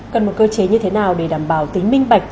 cần một cơ chế như thế nào để đảm bảo tính minh bạch